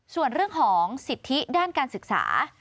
ส่วนเรื่องของสิทธิด้านการศึกษา